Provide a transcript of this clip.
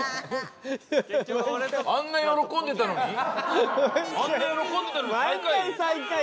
あんな喜んでたのに最下位？